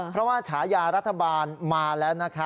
เพราะว่าฉายารัฐบาลมาแล้วนะคะ